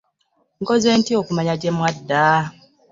Nkoze ntya okumanya gye mwadda?